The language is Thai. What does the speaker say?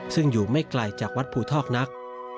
ซึ่งอยู่ไม่ไกลจากวัดภูทอกนัก